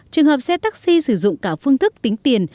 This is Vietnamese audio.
trường hợp xe taxi sử dụng cả phương thức tính tiền